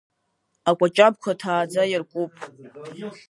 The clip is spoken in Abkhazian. Акәаҷабқәа ҭааӡа иаркуп.